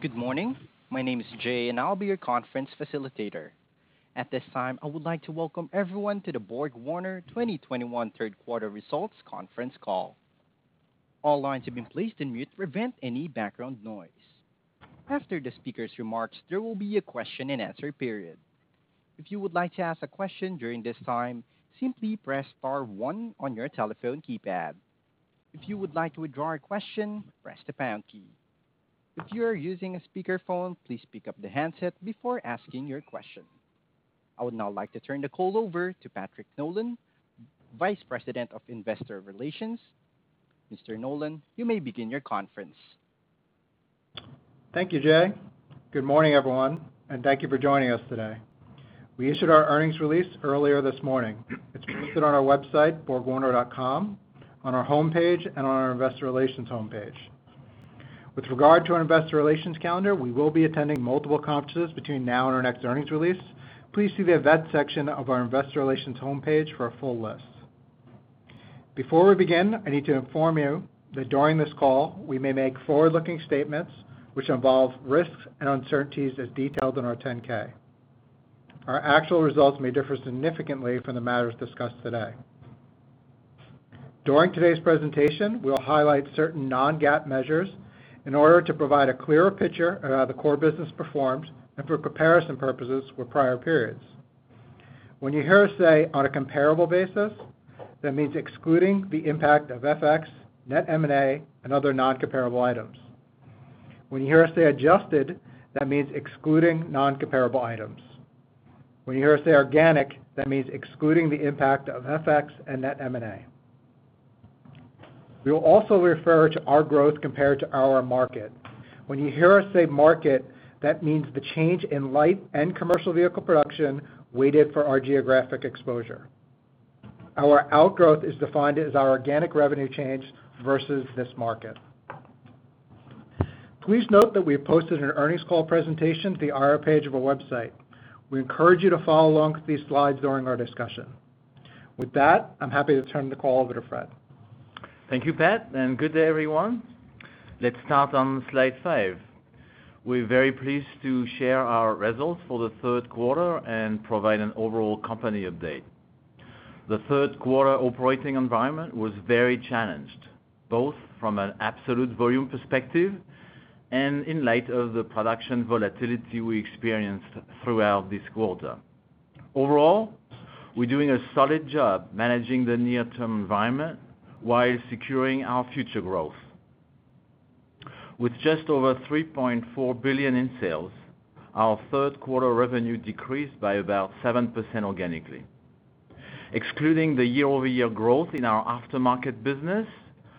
Good morning. My name is Jay, and I'll be your conference facilitator. At this time, I would like to welcome everyone to the BorgWarner 2021 third quarter results conference call. All lines have been placed on mute to prevent any background noise. After the speaker's remarks, there will be a question-and-answer period. If you would like to ask a question during this time, simply press star one on your telephone keypad. If you would like to withdraw a question, press the pound key. If you are using a speakerphone, please pick up the handset before asking your question. I would now like to turn the call over to Patrick Nolan, Vice President of Investor Relations. Mr. Nolan, you may begin your conference. Thank you, Jay. Good morning, everyone, and thank you for joining us today. We issued our earnings release earlier this morning. It's posted on our website, borgwarner.com, on our homepage and on our Investor Relations homepage. With regard to our Investor Relations calendar, we will be attending multiple conferences between now and our next earnings release. Please see the events section of our Investor Relations homepage for a full list. Before we begin, I need to inform you that during this call, we may make forward-looking statements which involve risks and uncertainties as detailed in our 10-K. Our actual results may differ significantly from the matters discussed today. During today's presentation, we'll highlight certain non-GAAP measures in order to provide a clearer picture of how the core business performs and for comparison purposes with prior periods. When you hear us say, "On a comparable basis," that means excluding the impact of FX, net M&A, and other non-comparable items. When you hear us say, "Adjusted," that means excluding non-comparable items. When you hear us say, "Organic," that means excluding the impact of FX and net M&A. We will also refer to our growth compared to our market. When you hear us say, "Market," that means the change in light and commercial vehicle production weighted for our geographic exposure. Our outgrowth is defined as our organic revenue change versus this market. Please note that we have posted an earnings call presentation to the IR page of our website. We encourage you to follow along with these slides during our discussion. With that, I'm happy to turn the call over to Fred. Thank you, Pat, and good day, everyone. Let's start on slide five. We're very pleased to share our results for the third quarter and provide an overall company update. The third quarter operating environment was very challenged, both from an absolute volume perspective and in light of the production volatility we experienced throughout this quarter. Overall, we're doing a solid job managing the near-term environment while securing our future growth. With just over $3.4 billion in sales, our third quarter revenue decreased by about 7% organically. Excluding the year-over-year growth in our aftermarket business,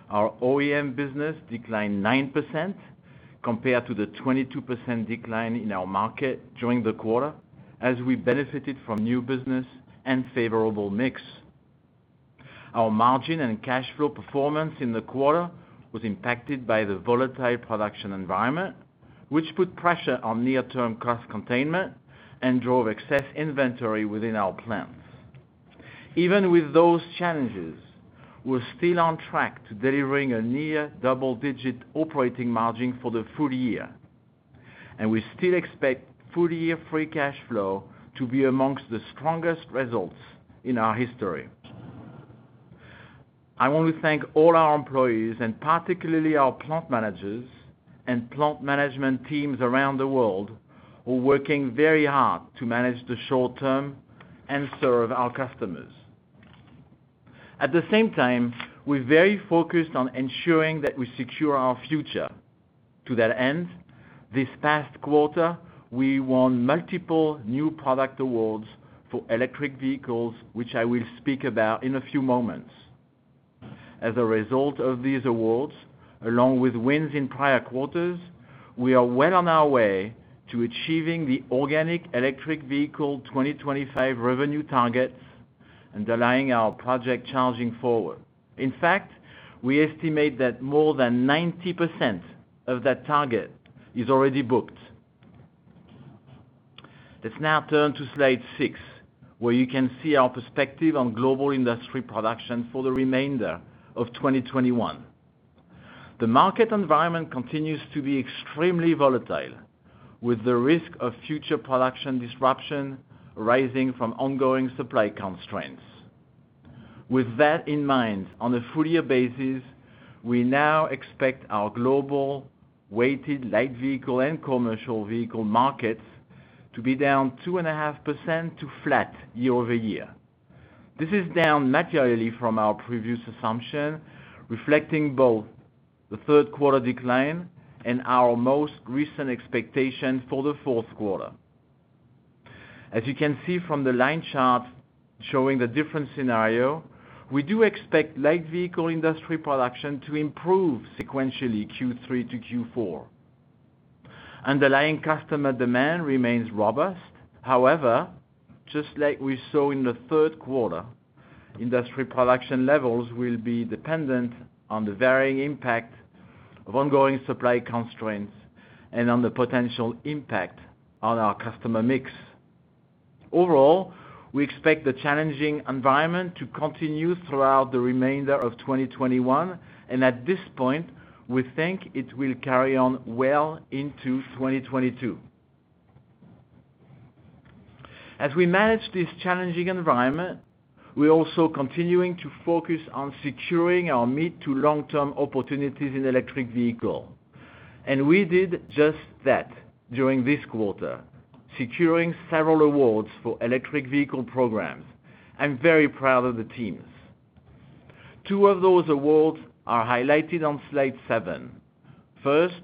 our OEM business declined 9% compared to the 22% decline in our market during the quarter, as we benefited from new business and favorable mix. Our margin and cash flow performance in the quarter was impacted by the volatile production environment, which put pressure on near-term cost containment and drove excess inventory within our plants. Even with those challenges, we're still on track to delivering a near double-digit operating margin for the full year, and we still expect full-year free cash flow to be among the strongest results in our history. I want to thank all our employees, and particularly our plant managers and plant management teams around the world who are working very hard to manage the short term and serve our customers. At the same time, we're very focused on ensuring that we secure our future. To that end, this past quarter, we won multiple new product awards for electric vehicles, which I will speak about in a few moments. As a result of these awards, along with wins in prior quarters, we are well on our way to achieving the organic electric vehicle 2025 revenue targets underlying our project Charging Forward. In fact, we estimate that more than 90% of that target is already booked. Let's now turn to slide six, where you can see our perspective on global industry production for the remainder of 2021. The market environment continues to be extremely volatile, with the risk of future production disruption arising from ongoing supply constraints. With that in mind, on a full-year basis, we now expect our global weighted light vehicle and commercial vehicle markets to be down 2.5% to flat year-over-year. This is down materially from our previous assumption, reflecting both the third quarter decline and our most recent expectations for the fourth quarter. As you can see from the line chart showing the different scenario, we do expect light vehicle industry production to improve sequentially Q3 to Q4. Underlying customer demand remains robust. However, just like we saw in the third quarter, industry production levels will be dependent on the varying impact of ongoing supply constraints and on the potential impact on our customer mix. Overall, we expect the challenging environment to continue throughout the remainder of 2021, and at this point, we think it will carry on well into 2022. As we manage this challenging environment, we're also continuing to focus on securing our mid to long-term opportunities in electric vehicle. We did just that during this quarter, securing several awards for electric vehicle programs. I'm very proud of the teams. Two of those awards are highlighted on slide seven. First,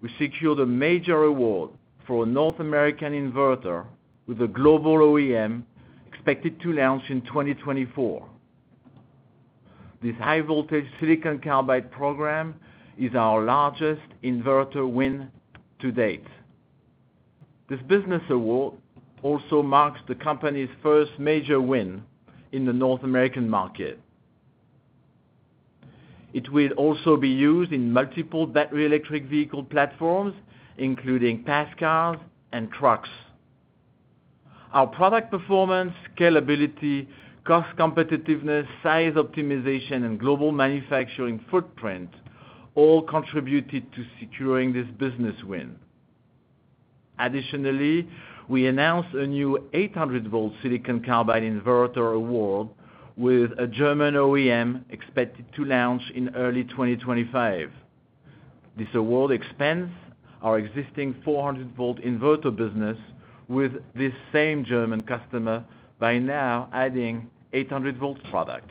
we secured a major award for a North American inverter with a global OEM expected to launch in 2024. This high-voltage silicon carbide program is our largest inverter win to date. This business award also marks the company's first major win in the North American market. It will also be used in multiple battery electric vehicle platforms, including passenger cars and trucks. Our product performance, scalability, cost competitiveness, size optimization, and global manufacturing footprint all contributed to securing this business win. Additionally, we announced a new 800-volt silicon carbide inverter award with a German OEM expected to launch in early 2025. This award expands our existing 400-volt inverter business with this same German customer by now adding 800-volt product.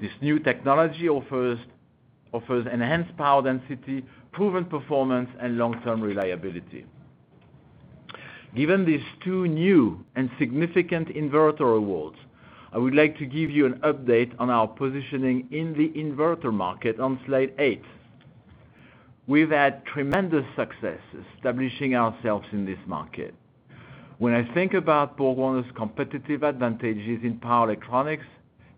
This new technology offers enhanced power density, proven performance and long-term reliability. Given these two new and significant inverter awards, I would like to give you an update on our positioning in the inverter market on slide eight. We've had tremendous success establishing ourselves in this market. When I think about BorgWarner's competitive advantages in power electronics,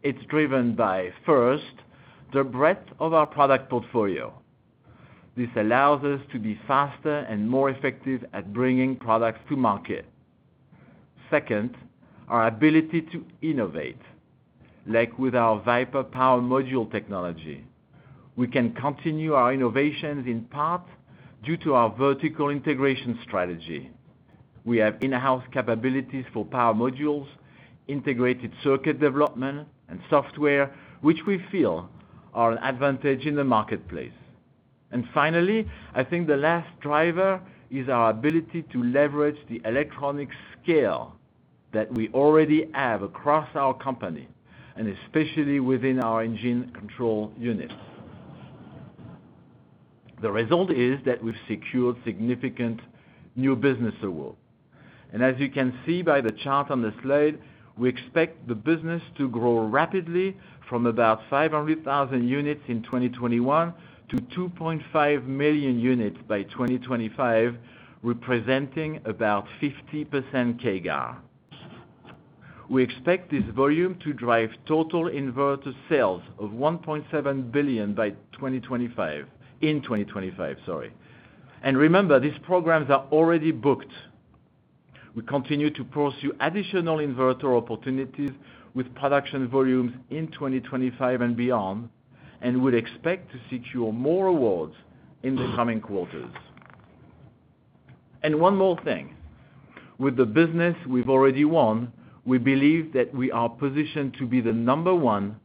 it's driven by, first, the breadth of our product portfolio. This allows us to be faster and more effective at bringing products to market. Second, our ability to innovate, like with our Viper power module technology. We can continue our innovations in part due to our vertical integration strategy. We have in-house capabilities for power modules, integrated circuit development and software, which we feel are an advantage in the marketplace. Finally, I think the last driver is our ability to leverage the electronic scale that we already have across our company, and especially within our engine control units. The result is that we've secured significant new business award. As you can see by the chart on the slide, we expect the business to grow rapidly from about 500,000 units in 2021 to 2.5 million units by 2025, representing about 50% CAGR. We expect this volume to drive total inverter sales of $1.7 billion by 2025. In 2025, sorry. Remember, these programs are already booked. We continue to pursue additional inverter opportunities with production volumes in 2025 and beyond, and would expect to secure more awards in the coming quarters. One more thing, with the business we've already won, we believe that we are positioned to be the number one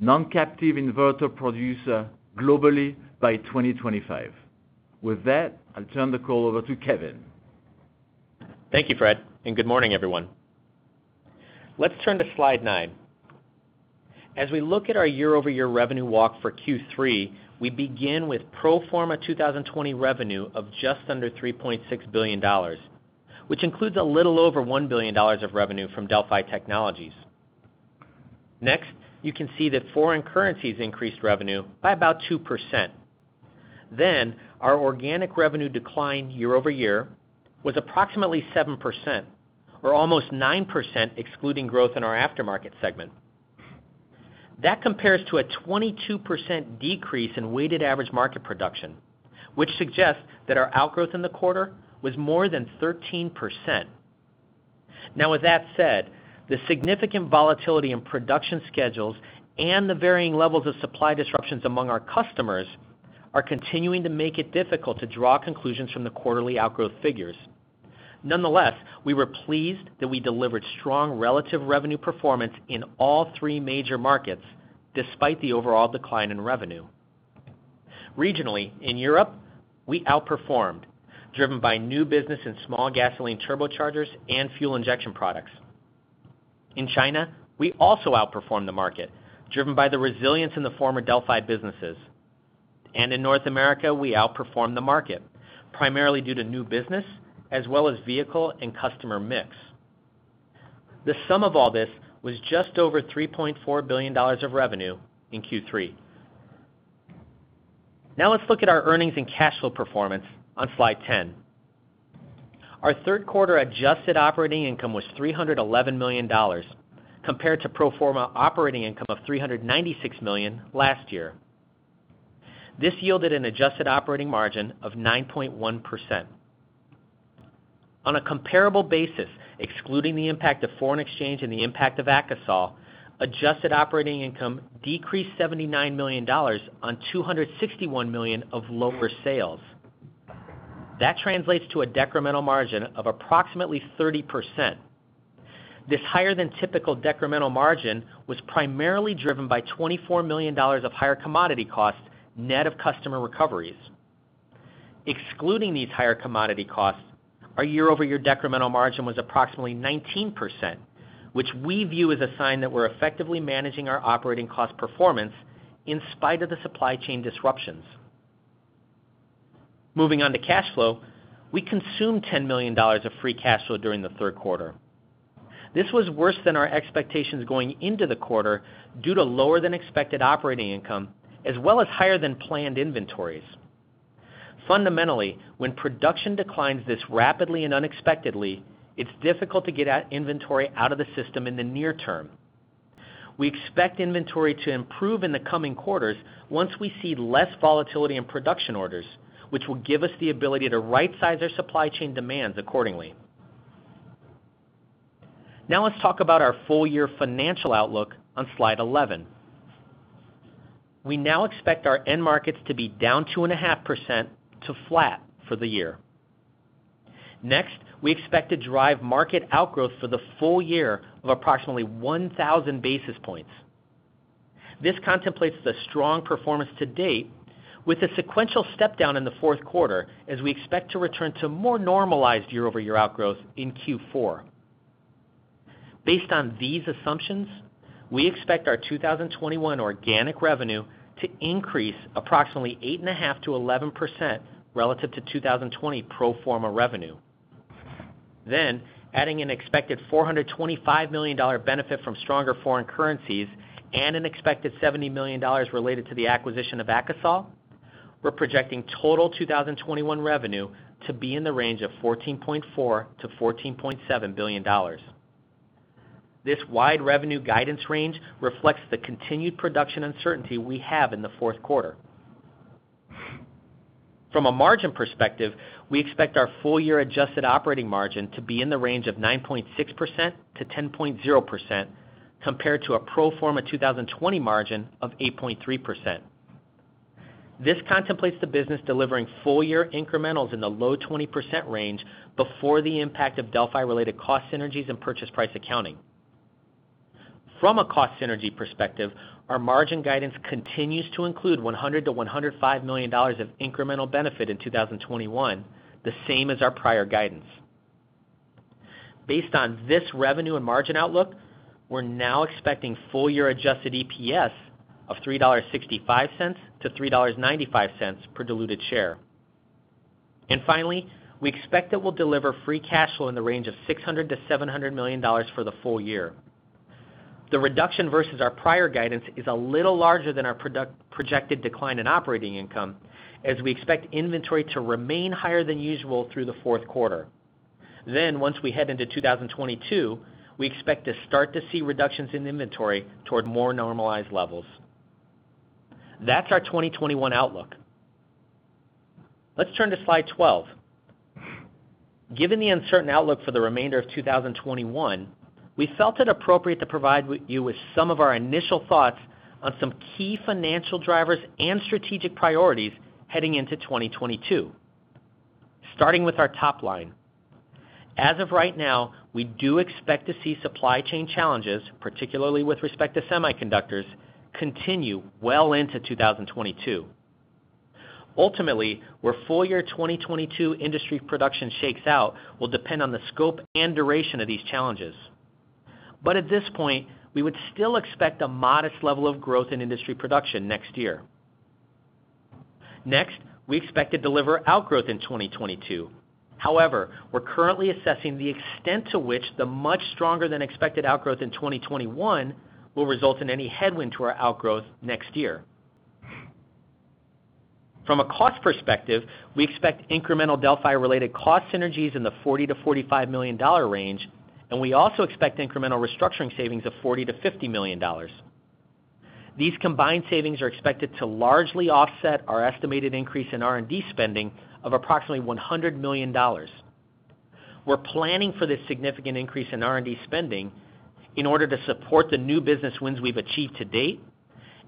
non-captive inverter producer globally by 2025. With that, I'll turn the call over to Kevin. Thank you, Fred, and good morning, everyone. Let's turn to slide nine. As we look at our year-over-year revenue walk for Q3, we begin with pro forma 2020 revenue of just under $3.6 billion, which includes a little over $1 billion of revenue from Delphi Technologies. Next, you can see that foreign currencies increased revenue by about 2%. Then our organic revenue declined year-over-year with approximately 7% or almost 9% excluding growth in our aftermarket segment. That compares to a 22% decrease in weighted average market production, which suggests that our outgrowth in the quarter was more than 13%. Now with that said, the significant volatility in production schedules and the varying levels of supply disruptions among our customers are continuing to make it difficult to draw conclusions from the quarterly outgrowth figures. Nonetheless, we were pleased that we delivered strong relative revenue performance in all three major markets despite the overall decline in revenue. Regionally, in Europe, we outperformed, driven by new business in small gasoline turbochargers and fuel injection products. In China, we also outperformed the market, driven by the resilience in the former Delphi businesses. In North America, we outperformed the market, primarily due to new business as well as vehicle and customer mix. The sum of all this was just over $3.4 billion of revenue in Q3. Now let's look at our earnings and cash flow performance on slide 10. Our third quarter adjusted operating income was $311 million compared to pro forma operating income of $396 million last year. This yielded an adjusted operating margin of 9.1%. On a comparable basis, excluding the impact of foreign exchange and the impact of AKASOL, adjusted operating income decreased $79 million on $261 million of lower sales. That translates to a decremental margin of approximately 30%. This higher than typical decremental margin was primarily driven by $24 million of higher commodity costs, net of customer recoveries. Excluding these higher commodity costs, our year-over-year decremental margin was approximately 19%, which we view as a sign that we're effectively managing our operating cost performance in spite of the supply chain disruptions. Moving on to cash flow, we consumed $10 million of free cash flow during the third quarter. This was worse than our expectations going into the quarter due to lower than expected operating income as well as higher than planned inventories. Fundamentally, when production declines this rapidly and unexpectedly, it's difficult to get inventory out of the system in the near term. We expect inventory to improve in the coming quarters once we see less volatility in production orders, which will give us the ability to right-size our supply chain demands accordingly. Now let's talk about our full year financial outlook on slide 11. We now expect our end markets to be down 2.5% to flat for the year. Next, we expect to drive market outgrowth for the full year of approximately 1,000 basis points. This contemplates the strong performance to date with a sequential step down in the fourth quarter as we expect to return to more normalized year-over-year outgrowth in Q4. Based on these assumptions, we expect our 2021 organic revenue to increase approximately 8.5%-11% relative to 2020 pro forma revenue. Adding an expected $425 million benefit from stronger foreign currencies and an expected $70 million related to the acquisition of AKASOL, we're projecting total 2021 revenue to be in the range of $14.4 billion-$14.7 billion. This wide revenue guidance range reflects the continued production uncertainty we have in the fourth quarter. From a margin perspective, we expect our full year adjusted operating margin to be in the range of 9.6%-10.0% compared to a pro forma 2020 margin of 8.3%. This contemplates the business delivering full year incrementals in the low 20% range before the impact of Delphi-related cost synergies and purchase price accounting. From a cost synergy perspective, our margin guidance continues to include $100 million-$105 million of incremental benefit in 2021, the same as our prior guidance. Based on this revenue and margin outlook, we're now expecting full year adjusted EPS of $3.65-$3.95 per diluted share. Finally, we expect that we'll deliver free cash flow in the range of $600 million-$700 million for the full year. The reduction versus our prior guidance is a little larger than our projected decline in operating income as we expect inventory to remain higher than usual through the fourth quarter. Once we head into 2022, we expect to start to see reductions in inventory toward more normalized levels. That's our 2021 outlook. Let's turn to slide 12. Given the uncertain outlook for the remainder of 2021, we felt it appropriate to provide you with some of our initial thoughts on some key financial drivers and strategic priorities heading into 2022. Starting with our top line. As of right now, we do expect to see supply chain challenges, particularly with respect to semiconductors, continue well into 2022. Ultimately, where full year 2022 industry production shakes out will depend on the scope and duration of these challenges. At this point, we would still expect a modest level of growth in industry production next year. Next, we expect to deliver outgrowth in 2022. However, we're currently assessing the extent to which the much stronger than expected outgrowth in 2021 will result in any headwind to our outgrowth next year. From a cost perspective, we expect incremental Delphi-related cost synergies in the $40 million-$45 million range, and we also expect incremental restructuring savings of $40 million-$50 million. These combined savings are expected to largely offset our estimated increase in R&D spending of approximately $100 million. We're planning for this significant increase in R&D spending in order to support the new business wins we've achieved to date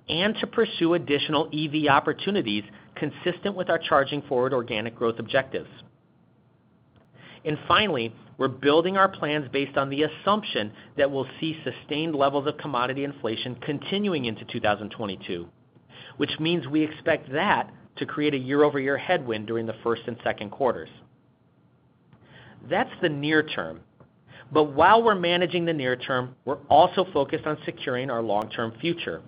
and to pursue additional EV opportunities consistent with our Charging Forward organic growth objectives. Finally, we're building our plans based on the assumption that we'll see sustained levels of commodity inflation continuing into 2022, which means we expect that to create a year-over-year headwind during the first and second quarters. That's the near term. While we're managing the near term, we're also focused on securing our long-term future.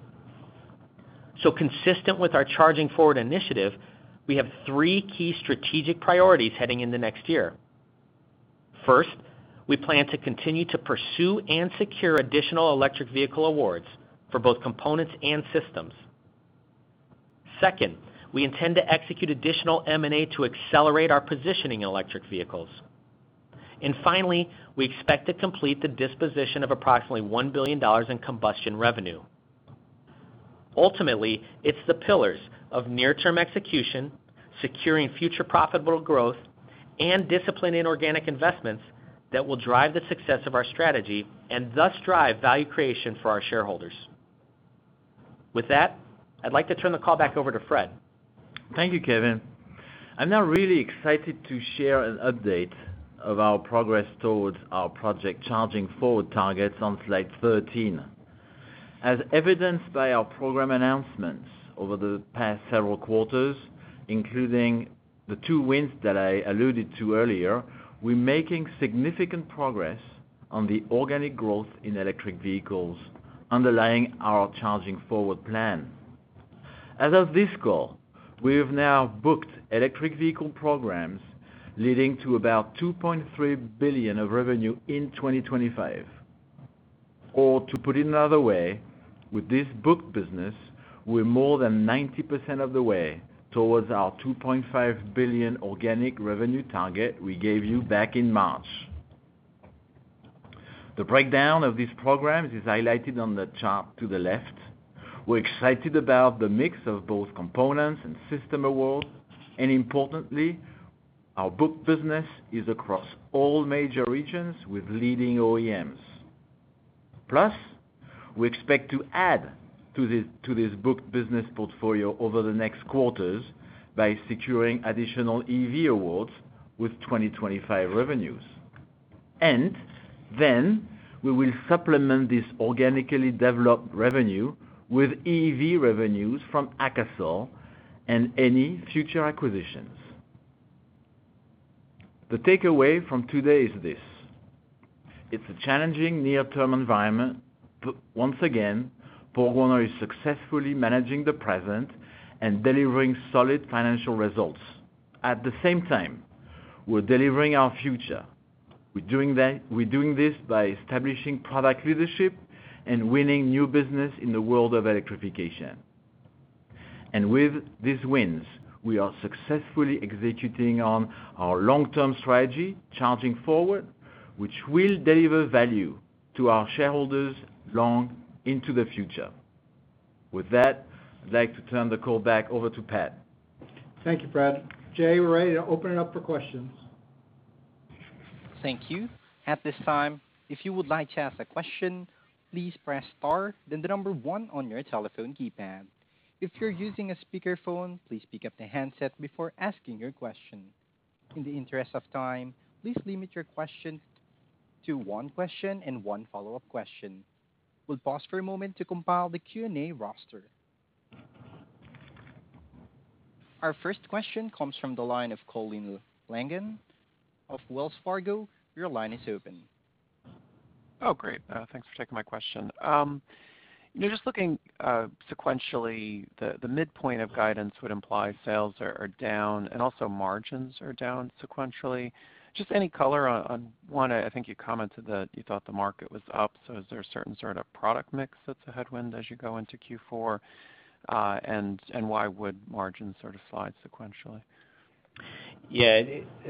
Consistent with our Charging Forward initiative, we have three key strategic priorities heading into next year. First, we plan to continue to pursue and secure additional electric vehicle awards for both components and systems. Second, we intend to execute additional M&A to accelerate our positioning in electric vehicles. Finally, we expect to complete the disposition of approximately $1 billion in combustion revenue. Ultimately, it's the pillars of near-term execution, securing future profitable growth, and discipline in organic investments that will drive the success of our strategy and thus drive value creation for our shareholders. With that, I'd like to turn the call back over to Fred. Thank you, Kevin. I'm now really excited to share an update of our progress towards our project Charging Forward targets on slide 13. As evidenced by our program announcements over the past several quarters, including the two wins that I alluded to earlier, we're making significant progress on the organic growth in electric vehicles underlying our Charging Forward plan. As of this call, we have now booked electric vehicle programs leading to about $2.3 billion of revenue in 2025. To put it another way, with this booked business, we're more than 90% of the way towards our $2.5 billion organic revenue target we gave you back in March. The breakdown of these programs is highlighted on the chart to the left. We're excited about the mix of both components and system awards, and importantly, our booked business is across all major regions with leading OEMs. Plus, we expect to add to this booked business portfolio over the next quarters by securing additional EV awards with 2025 revenues. We will supplement this organically developed revenue with EV revenues from AKASOL and any future acquisitions. The takeaway from today is this. It's a challenging near-term environment, but once again, BorgWarner is successfully managing the present and delivering solid financial results. At the same time, we're delivering our future. We're doing this by establishing product leadership and winning new business in the world of electrification. With these wins, we are successfully executing on our long-term strategy, Charging Forward, which will deliver value to our shareholders long into the future. With that, I'd like to turn the call back over to Pat. Thank you, Fred. Jay, we're ready to open it up for questions. Thank you. At this time, if you would like to ask a question, please press star then the number one on your telephone keypad. If you're using a speakerphone, please pick up the handset before asking your question. In the interest of time, please limit your question to one question and one follow-up question. We'll pause for a moment to compile the Q&A roster. Our first question comes from the line of Colin Langan of Wells Fargo. Your line is open. Oh, great. Thanks for taking my question. You know, just looking sequentially, the midpoint of guidance would imply sales are down and also margins are down sequentially. Just any color on one, I think you commented that you thought the market was up, so is there a certain sort of product mix that's a headwind as you go into Q4? Why would margins sort of slide sequentially? Yeah.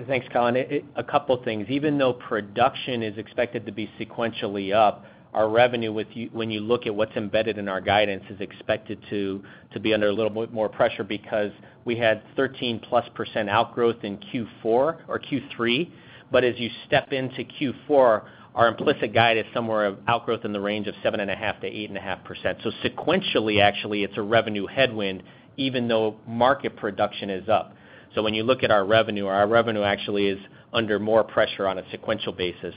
Thanks, Colin. A couple things. Even though production is expected to be sequentially up, our revenue, when you look at what's embedded in our guidance is expected to be under a little bit more pressure because we had 13%+ outgrowth in Q4 or Q3. As you step into Q4, our implicit guide is somewhere of outgrowth in the range of 7.5%-8.5%. Sequentially, actually, it's a revenue headwind, even though market production is up. When you look at our revenue, our revenue actually is under more pressure on a sequential basis.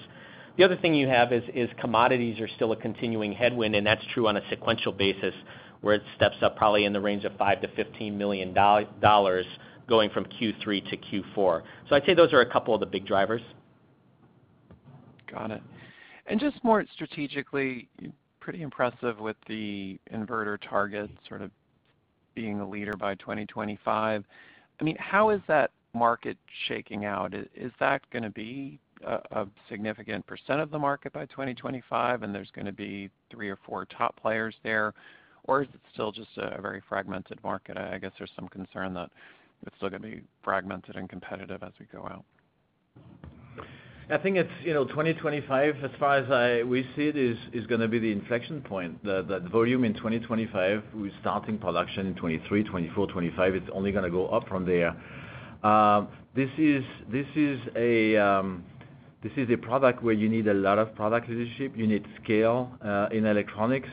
The other thing you have is commodities are still a continuing headwind, and that's true on a sequential basis, where it steps up probably in the range of $5 million-$15 million going from Q3 to Q4. I'd say those are a couple of the big drivers. Got it. Just more strategically, pretty impressive with the inverter target sort of being a leader by 2025. I mean, how is that market shaking out? Is that gonna be a significant % of the market by 2025 and there's gonna be three or four top players there? Or is it still just a very fragmented market? I guess there's some concern that it's still gonna be fragmented and competitive as we go out. I think it's, you know, 2025, as far as we see it, is gonna be the inflection point. The volume in 2025, we're starting production in 2023, 2024, 2025. It's only gonna go up from there. This is a product where you need a lot of product leadership. You need scale in electronics.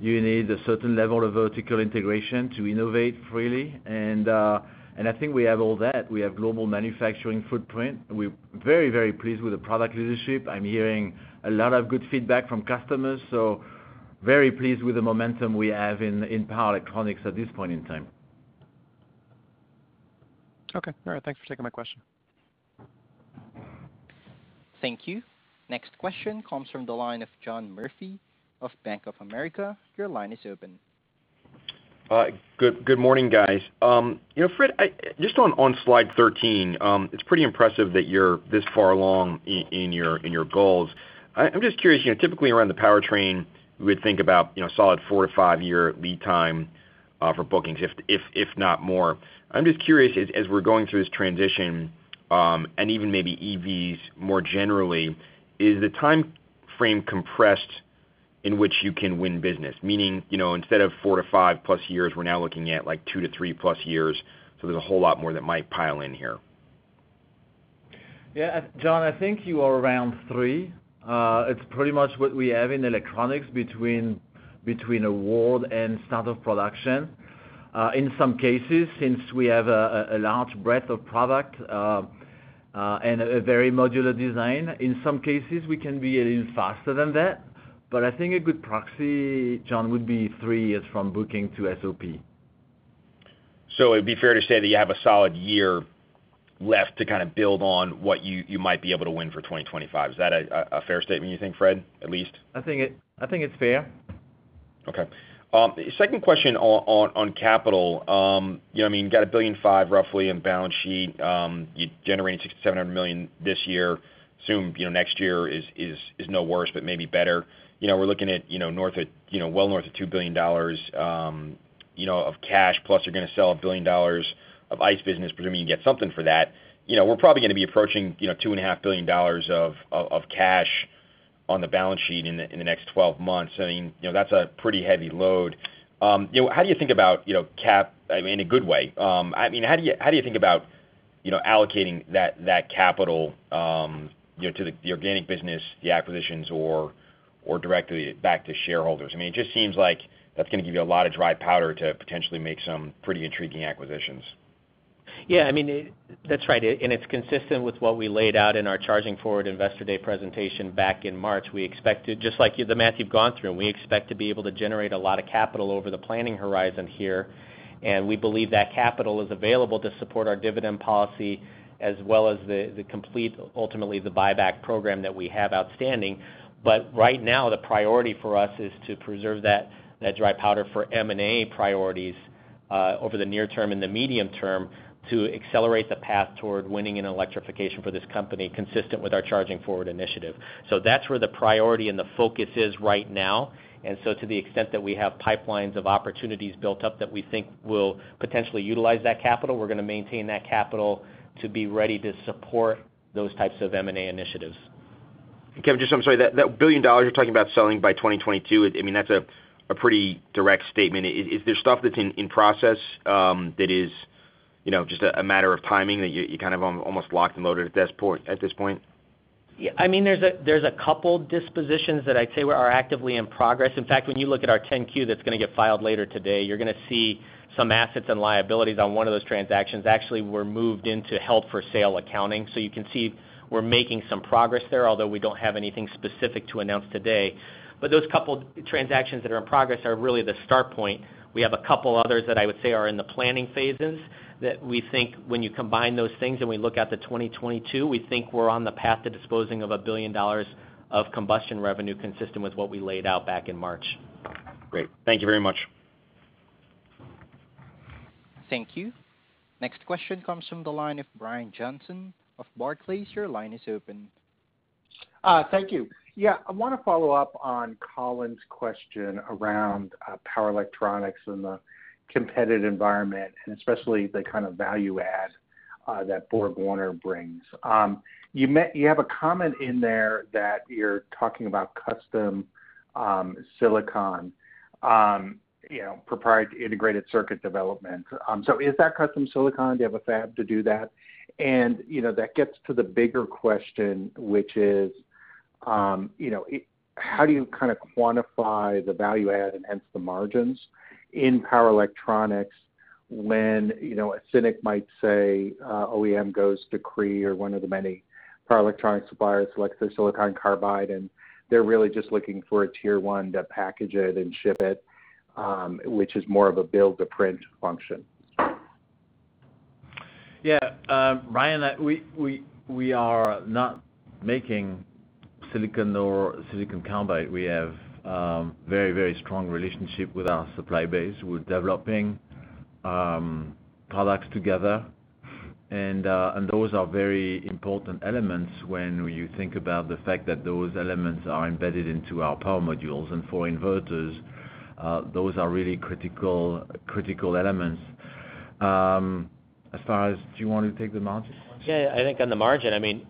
You need a certain level of vertical integration to innovate freely. I think we have all that. We have global manufacturing footprint. We're very, very pleased with the product leadership. I'm hearing a lot of good feedback from customers, so very pleased with the momentum we have in power electronics at this point in time. Okay. All right. Thanks for taking my question. Thank you. Next question comes from the line of John Murphy of Bank of America. Your line is open. Good morning, guys. You know, Fred, just on slide 13, it's pretty impressive that you're this far along in your goals. I'm just curious, you know, typically around the powertrain, we would think about, you know, solid four-five-year lead time for bookings if not more. I'm just curious as we're going through this transition, and even maybe EVs more generally, is the timeframe compressed in which you can win business, meaning, you know, instead of four-five+ years, we're now looking at, like, two-three+ years, so there's a whole lot more that might pile in here. Yeah, John, I think you are around three. It's pretty much what we have in electronics between award and start of production. In some cases, since we have a large breadth of product, and a very modular design, in some cases, we can be a little faster than that. I think a good proxy, John, would be three years from booking to SOP. It'd be fair to say that you have a solid year left to kind of build on what you might be able to win for 2025. Is that a fair statement, you think, Fred, at least? I think it's fair. Okay. Second question on capital. You know, I mean, you got $1.5 billion roughly in balance sheet. You're generating $600 million-$700 million this year. Assume, you know, next year is no worse, but maybe better. You know, we're looking at, you know, north of, you know, well north of $2 billion, you know, of cash, plus you're gonna sell $1 billion of ICE business, presuming you get something for that. You know, we're probably gonna be approaching, you know, $2.5 billion of cash on the balance sheet in the next 12 months. I mean, you know, that's a pretty heavy load. You know, how do you think about, you know, I mean, in a good way. I mean, how do you think about, you know, allocating that capital, you know, to the organic business, the acquisitions or directly back to shareholders? I mean, it just seems like that's gonna give you a lot of dry powder to potentially make some pretty intriguing acquisitions. Yeah, I mean, that's right. It's consistent with what we laid out in our Charging Forward Investor Day presentation back in March. We expect to, just like you, the math you've gone through, and we expect to be able to generate a lot of capital over the planning horizon here. We believe that capital is available to support our dividend policy as well as the complete, ultimately, the buyback program that we have outstanding. Right now, the priority for us is to preserve that dry powder for M&A priorities over the near term and the medium term to accelerate the path toward winning in electrification for this company, consistent with our Charging Forward initiative. That's where the priority and the focus is right now. To the extent that we have pipelines of opportunities built up that we think will potentially utilize that capital, we're gonna maintain that capital to be ready to support those types of M&A initiatives. Kevin, just, I'm sorry, that $1 billion you're talking about selling by 2022, I mean, that's a pretty direct statement. Is there stuff that's in process that is, you know, just a matter of timing that you kind of almost locked the motor at this point? Yeah, I mean, there's a couple dispositions that I'd say are actively in progress. In fact, when you look at our 10-Q that's gonna get filed later today, you're gonna see some assets and liabilities on one of those transactions actually were moved into held for sale accounting. So you can see we're making some progress there, although we don't have anything specific to announce today. Those couple transactions that are in progress are really the start point. We have a couple others that I would say are in the planning phases that we think when you combine those things and we look at 2022, we think we're on the path to disposing of $1 billion of combustion revenue consistent with what we laid out back in March. Great. Thank you very much. Thank you. Next question comes from the line of Brian Johnson of Barclays. Your line is open. Thank you. Yeah, I wanna follow up on Colin's question around power electronics and the competitive environment, and especially the kind of value add that BorgWarner brings. You have a comment in there that you're talking about custom silicon, you know, proprietary integrated circuit development. So is that custom silicon? Do you have a fab to do that? And, you know, that gets to the bigger question, which is, you know, how do you kind of quantify the value add and hence the margins in power electronics when, you know, a cynic might say, OEM goes to Cree or one of the many power electronics suppliers selects their silicon carbide, and they're really just looking for a tier one to package it and ship it, which is more of a build-to-print function. Yeah, Brian, we are not making silicon nor silicon carbide. We have very strong relationship with our supply base. We're developing products together. Those are very important elements when you think about the fact that those elements are embedded into our power modules and for inverters. Those are really critical elements. As far as, do you want to take the margin question? Yeah, I think on the margin, I mean,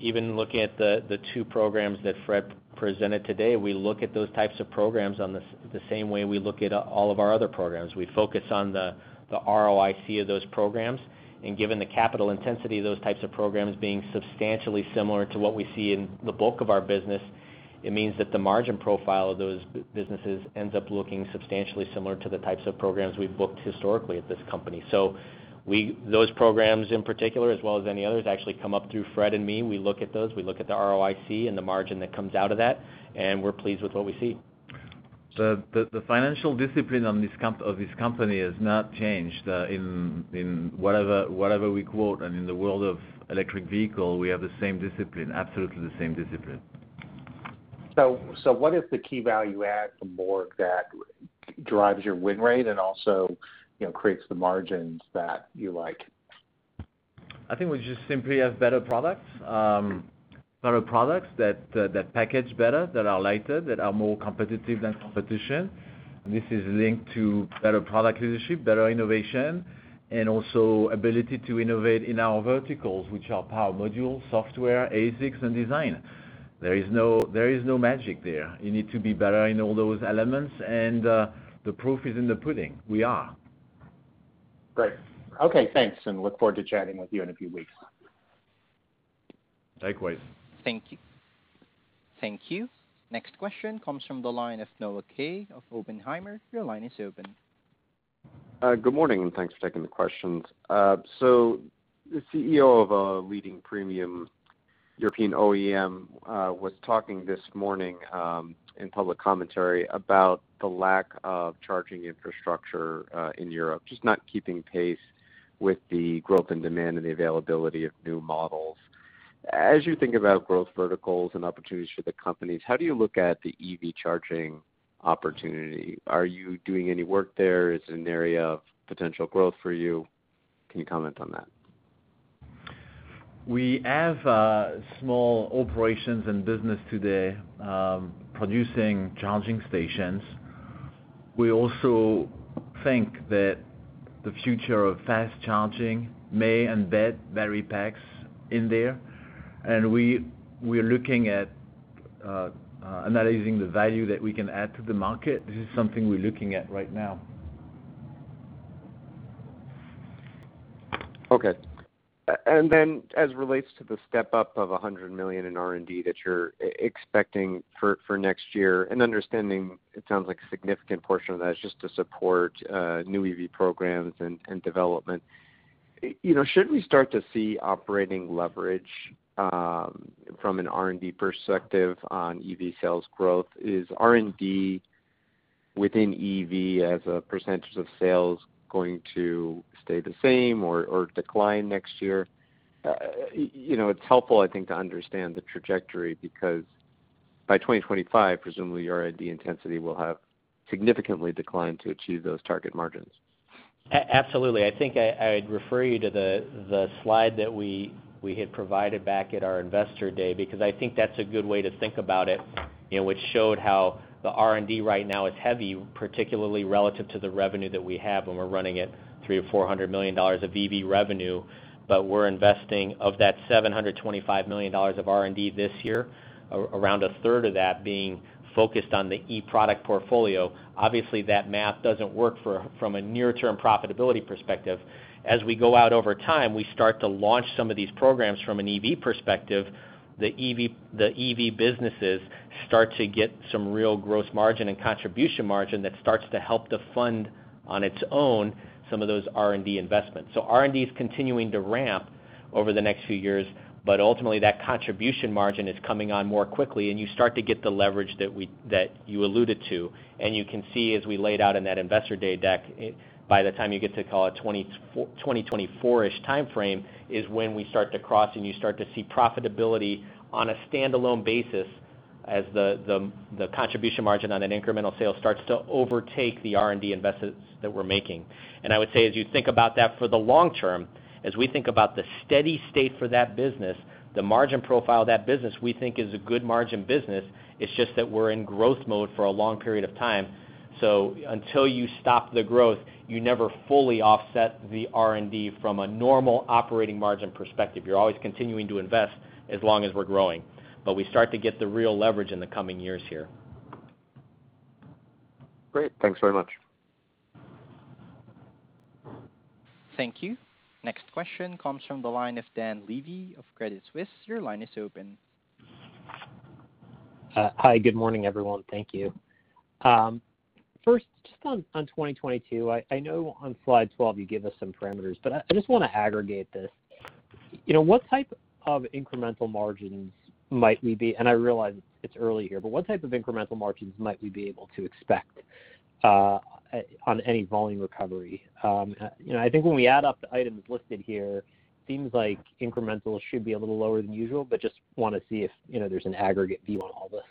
even looking at the two programs that Fred presented today, we look at those types of programs on the same way we look at all of our other programs. We focus on the ROIC of those programs, and given the capital intensity of those types of programs being substantially similar to what we see in the bulk of our business, it means that the margin profile of those businesses ends up looking substantially similar to the types of programs we've booked historically at this company. Those programs in particular, as well as any others, actually come up through Fred and me. We look at those, we look at the ROIC and the margin that comes out of that, and we're pleased with what we see. The financial discipline of this company has not changed. In whatever we quote, and in the world of electric vehicle, we have the same discipline, absolutely the same discipline. What is the key value add from Borg that drives your win rate and also, you know, creates the margins that you like? I think we just simply have better products. Better products that that package better, that are lighter, that are more competitive than competition. This is linked to better product leadership, better innovation, and also ability to innovate in our verticals, which are power module, software, ASICs, and design. There is no magic there. You need to be better in all those elements, and the proof is in the pudding. We are. Great. Okay, thanks, and I look forward to chatting with you in a few weeks. Likewise. Thank you. Next question comes from the line of Noah Kaye of Oppenheimer. Your line is open. Good morning, and thanks for taking the questions. The CEO of a leading premium European OEM was talking this morning in public commentary about the lack of charging infrastructure in Europe, just not keeping pace with the growth in demand and the availability of new models. As you think about growth verticals and opportunities for the companies, how do you look at the EV charging opportunity? Are you doing any work there? Is it an area of potential growth for you? Can you comment on that? We have small operations and business today producing charging stations. We also think that the future of fast charging may embed battery packs in there, and we're looking at analyzing the value that we can add to the market. This is something we're looking at right now. As relates to the step up of $100 million in R&D that you're expecting for next year and understanding it sounds like a significant portion of that is just to support new EV programs and development. You know, should we start to see operating leverage from an R&D perspective on EV sales growth? Is R&D within EV as a percentage of sales going to stay the same or decline next year? You know, it's helpful, I think, to understand the trajectory because by 2025, presumably your R&D intensity will have significantly declined to achieve those target margins. Absolutely. I think I'd refer you to the slide that we had provided back at our Investor Day, because I think that's a good way to think about it, you know, which showed how the R&D right now is heavy, particularly relative to the revenue that we have when we're running at $300 million-$400 million of EV revenue. We're investing of that $725 million of R&D this year, around 1/3 of that being focused on the e-product portfolio. Obviously, that math doesn't work from a near-term profitability perspective. As we go out over time, we start to launch some of these programs from an EV perspective. The EV businesses start to get some real gross margin and contribution margin that starts to help to fund on its own some of those R&D investments. R&D is continuing to ramp over the next few years, but ultimately that contribution margin is coming on more quickly and you start to get the leverage that you alluded to. You can see as we laid out in that Investor Day deck, by the time you get to call it 2024-ish timeframe is when we start to cross and you start to see profitability on a standalone basis as the contribution margin on an incremental sales starts to overtake the R&D investments that we're making. I would say as you think about that for the long term, as we think about the steady state for that business, the margin profile of that business, we think is a good margin business. It's just that we're in growth mode for a long period of time. Until you stop the growth, you never fully offset the R&D from a normal operating margin perspective. You're always continuing to invest as long as we're growing. We start to get the real leverage in the coming years here. Great. Thanks very much. Thank you. Next question comes from the line of Dan Levy of Credit Suisse. Your line is open. Hi. Good morning, everyone. Thank you. First, just on 2022, I know on slide 12 you give us some parameters, but I just wanna aggregate this. You know, I realize it's early here, but what type of incremental margins might we be able to expect on any volume recovery? You know, I think when we add up the items listed here, seems like incremental should be a little lower than usual, but just wanna see if, you know, there's an aggregate view on all this.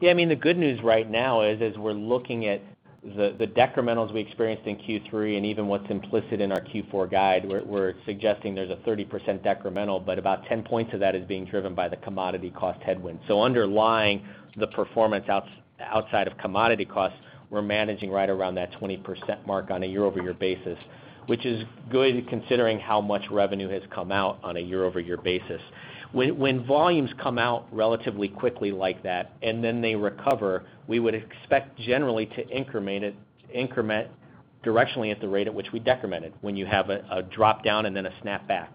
Yeah, I mean, the good news right now is, as we're looking at the decrementals we experienced in Q3 and even what's implicit in our Q4 guide, we're suggesting there's a 30% decremental, but about 10 points of that is being driven by the commodity cost headwind. Underlying the performance outside of commodity costs, we're managing right around that 20% mark on a year-over-year basis, which is good considering how much revenue has come out on a year-over-year basis. When volumes come out relatively quickly like that, and then they recover, we would expect generally to increment it directionally at the rate at which we decremented when you have a drop down and then a snapback.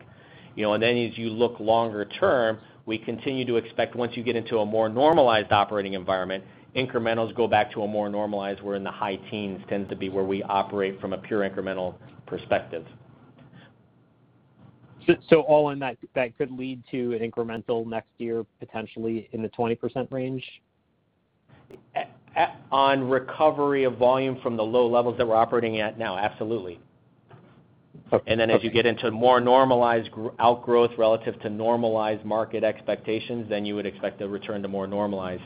You know, as you look longer term, we continue to expect once you get into a more normalized operating environment, incrementals go back to a more normalized. We're in the high teens, tends to be where we operate from a pure incremental perspective. All in that could lead to an incremental next year, potentially in the 20% range? On recovery of volume from the low levels that we're operating at now, absolutely. Okay. Then as you get into more normalized outgrowth relative to normalized market expectations, then you would expect to return to more normalized,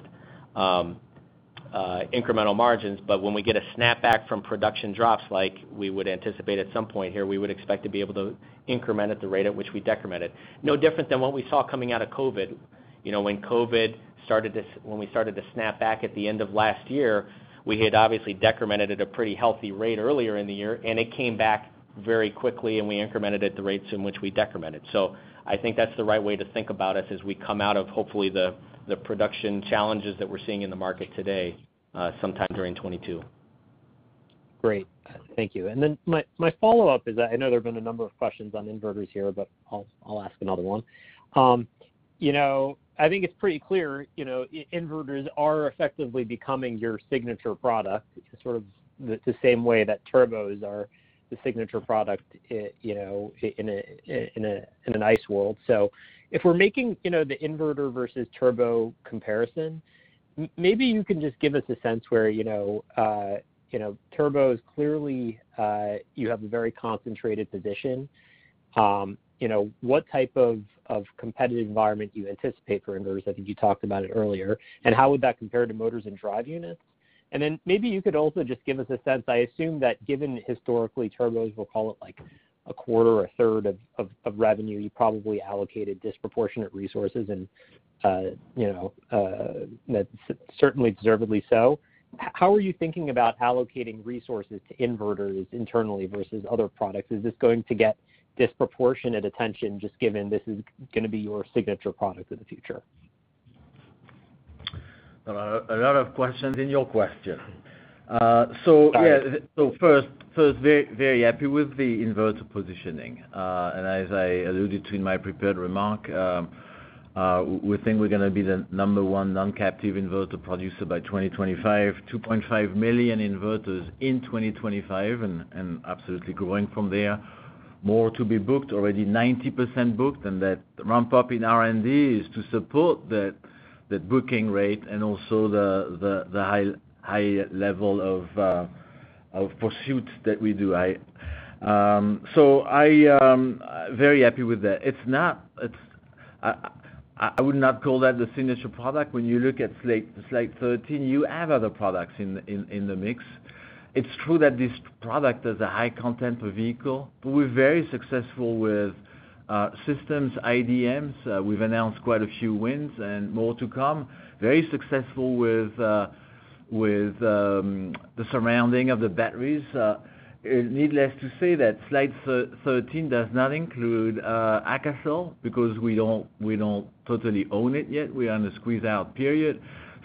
incremental margins. When we get a snapback from production drops like we would anticipate at some point here, we would expect to be able to increment at the rate at which we decremented. No different than what we saw coming out of COVID. You know, when we started to snap back at the end of last year, we had obviously decremented at a pretty healthy rate earlier in the year, and it came back very quickly, and we incremented at the rates in which we decremented. I think that's the right way to think about us as we come out of, hopefully, the production challenges that we're seeing in the market today, sometime during 2022. Great. Thank you. Then my follow-up is, I know there have been a number of questions on inverters here, but I'll ask another one. You know, I think it's pretty clear, you know, inverters are effectively becoming your signature product, sort of the same way that turbos are the signature product you know in a nice world. So if we're making, you know, the inverter versus turbo comparison, maybe you can just give us a sense where, you know, you know, turbos clearly you have a very concentrated position. You know, what type of competitive environment do you anticipate for inverters? I think you talked about it earlier. How would that compare to motors and drive units? Then maybe you could also just give us a sense. I assume that given historically, turbos, we'll call it like a quarter or 1/3 of revenue, you probably allocated disproportionate resources and, you know, that's certainly deservedly so. How are you thinking about allocating resources to inverters internally versus other products? Is this going to get disproportionate attention just given this is gonna be your signature product in the future? There are a lot of questions in your question. Yeah. Sorry. First, very happy with the inverter positioning. As I alluded to in my prepared remark, we think we're gonna be the number one non-captive inverter producer by 2025. 2.5 million inverters in 2025 and absolutely growing from there. More to be booked. Already 90% booked, and that ramp-up in R&D is to support that booking rate and also the high level of pursuits that we do. I am very happy with that. I would not call that the signature product. When you look at slide 13, you have other products in the mix. It's true that this product has a high content per vehicle, but we're very successful with systems IDMs. We've announced quite a few wins and more to come. Very successful with the sourcing of the batteries. Needless to say that slide 13 does not include AKASOL because we don't totally own it yet. We are in a squeeze-out period.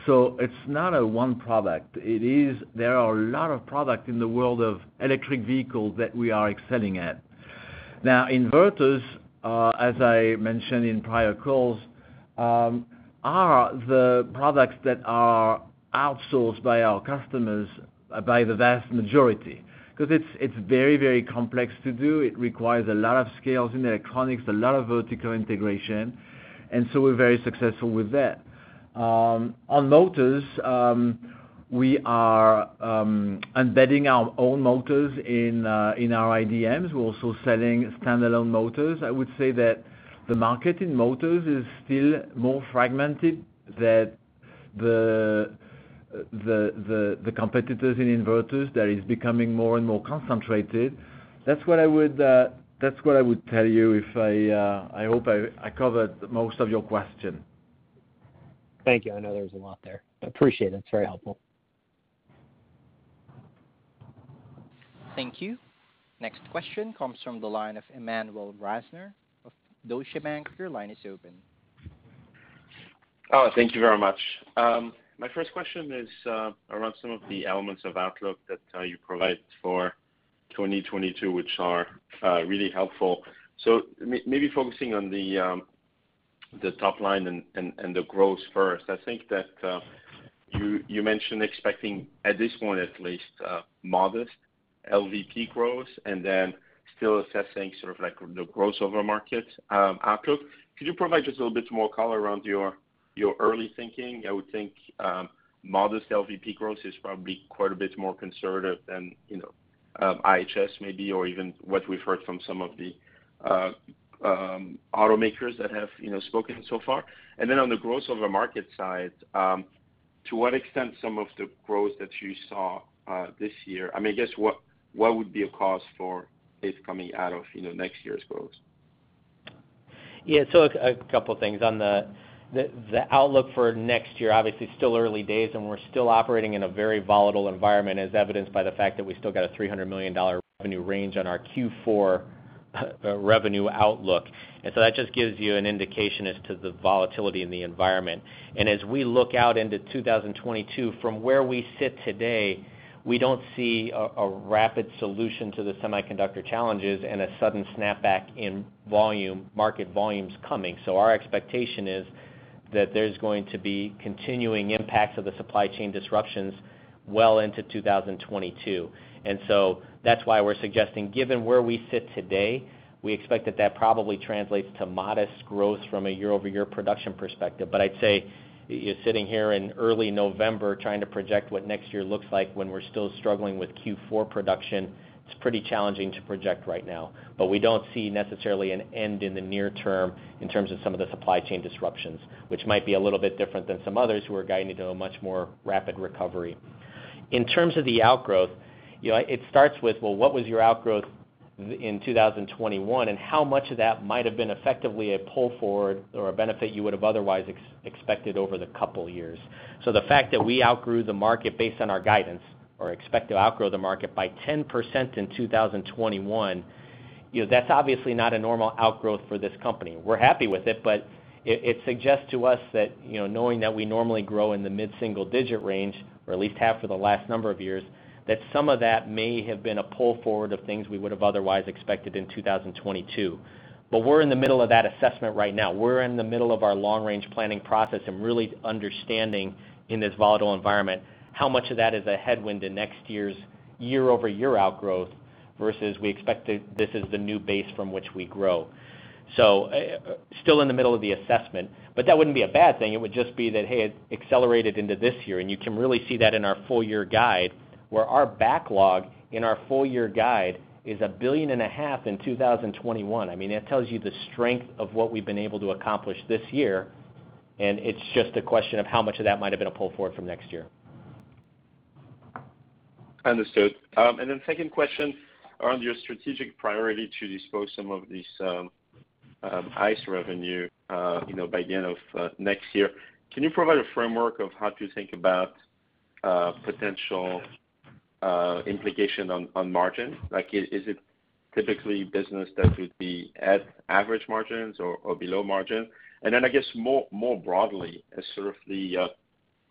It's not a one product. It is. There are a lot of product in the world of electric vehicles that we are excelling at. Now, inverters, as I mentioned in prior calls, are the products that are outsourced by our customers, by the vast majority, because it's very, very complex to do. It requires a lot of scale in electronics, a lot of vertical integration, and we're very successful with that. On motors, we are embedding our own motors in our iDMs. We're also selling standalone motors. I would say that the market in motors is still more fragmented than the competitors in inverters. That is becoming more and more concentrated. That's what I would tell you if I hope I covered most of your question. Thank you. I know there was a lot there. I appreciate it. It's very helpful. Thank you. Next question comes from the line of Emmanuel Rosner of Deutsche Bank. Your line is open. Oh, thank you very much. My first question is around some of the elements of outlook that you provided for 2022, which are really helpful. Maybe focusing on the top line and the growth first. I think that you mentioned expecting, at this point at least, modest LVP growth and then still assessing sort of like the growth over market outlook. Could you provide just a little bit more color around your early thinking? I would think modest LVP growth is probably quite a bit more conservative than, you know, IHS maybe, or even what we've heard from some of the automakers that have, you know, spoken so far. Then on the growth over market side, to what extent some of the growth that you saw this year. I mean, I guess what would be a cause for this coming out of, you know, next year's growth? Yeah. A couple things. On the outlook for next year, obviously still early days, and we're still operating in a very volatile environment, as evidenced by the fact that we still got a $300 million revenue range on our Q4 revenue outlook. That just gives you an indication as to the volatility in the environment. As we look out into 2022, from where we sit today, we don't see a rapid solution to the semiconductor challenges and a sudden snapback in volume, market volumes coming. Our expectation is that there's going to be continuing impacts of the supply chain disruptions well into 2022. That's why we're suggesting, given where we sit today, we expect that probably translates to modest growth from a year-over-year production perspective. I'd say you're sitting here in early November trying to project what next year looks like when we're still struggling with Q4 production. It's pretty challenging to project right now. We don't see necessarily an end in the near term in terms of some of the supply chain disruptions, which might be a little bit different than some others who are guiding to a much more rapid recovery. In terms of the outgrowth, you know, it starts with, well, what was your outgrowth in 2021, and how much of that might have been effectively a pull forward or a benefit you would have otherwise expected over the couple years? The fact that we outgrew the market based on our guidance or expect to outgrow the market by 10% in 2021, you know, that's obviously not a normal outgrowth for this company. We're happy with it, but it suggests to us that, you know, knowing that we normally grow in the mid-single digit range or at least have for the last number of years, that some of that may have been a pull forward of things we would have otherwise expected in 2022. We're in the middle of that assessment right now. We're in the middle of our long range planning process and really understanding in this volatile environment how much of that is a headwind in next year's year-over-year outgrowth versus we expect to this is the new base from which we grow. Still in the middle of the assessment, but that wouldn't be a bad thing. It would just be that, hey, it accelerated into this year, and you can really see that in our full year guide, where our backlog in our full year guide is $1.5 billion in 2021. I mean, that tells you the strength of what we've been able to accomplish this year, and it's just a question of how much of that might have been a pull forward from next year. Understood. Second question on your strategic priority to dispose some of these ICE revenue, you know, by the end of next year. Can you provide a framework of how to think about potential implication on margin? Like is it typically business that would be at average margins or below margin? Then I guess more broadly as sort of the